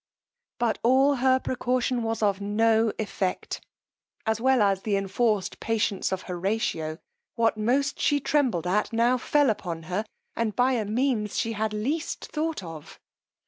But all her precaution was of no effect, as well as, the enforced patience of Horatio: what most she trembled at now fell upon her, and by a means she had least thought of.